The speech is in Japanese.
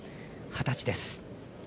二十歳です。